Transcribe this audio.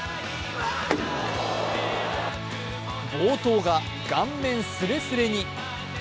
暴投が顔面すれすれに。